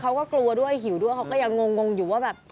เขาก็กลัวด้วยหิวด้วยเขาก็ยังงงอยู่ว่าแบบ